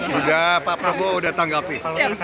sudah pak pebo sudah tanggapi